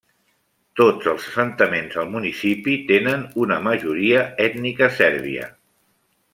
Tots els assentaments al municipi tenen una majoria ètnica sèrbia.